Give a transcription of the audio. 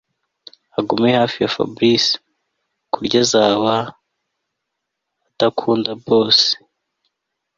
agume hafi ya Fabric kurya azaba adakunda boss